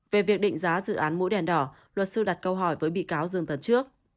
về việc định giá dự án mũi đèn đỏ luật sư đặt câu hỏi với bị cáo dương tấn trước